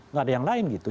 nggak ada yang lain gitu